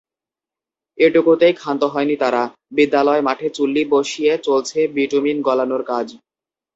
এটুকুতেই খান্ত হয়নি তারা, বিদ্যালয় মাঠে চুল্লি বসিয়ে চলছে বিটুমিন গলানোর কাজ।